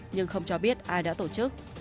nhưng không cho biết ai đã tổ chức